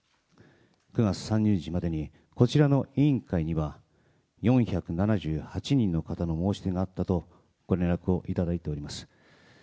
９月３０日までにこちらの委員会には、４７８人の方の申し出があったとご連絡をいただいております。